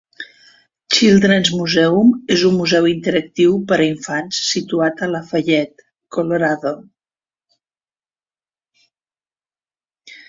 Children's Museum és un museu interactiu per a infants situat a Lafayette, Colorado.